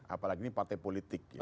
apalagi ini partai politik